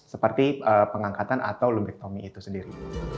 seperti pengangkatan atau lumpektomi itu sendiri